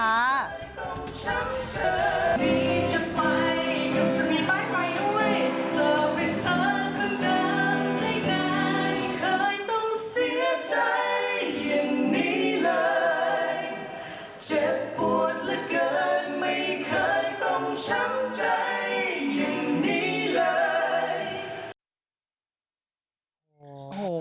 ไว้ก่อนไม่เคยต้องช้ำใจอย่างนี้เลย